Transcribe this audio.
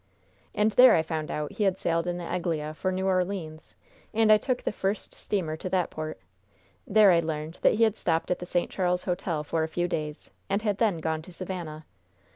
"And there I found out he had sailed in the Eglea for New Orleans, and I took the first steamer to that port. There I learned that he had stopped at the St. Charles Hotel for a few days, and had then gone to Savannah.